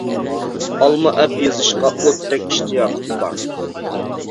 ئالما ئەپ يېزىشقا ئوتتەك ئىشتىياقىم بار.